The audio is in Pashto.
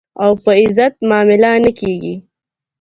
او په عزت معامله نه کېږي.